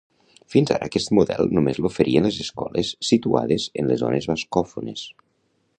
Fins ara aquest model només l’oferien les escoles situades en les zones bascòfones.